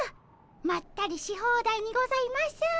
まったりし放題にございます。